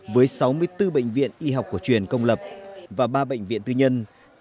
với sáu mươi bốn bệnh viện y học cổ truyền công lập và ba bệnh viện tư nhân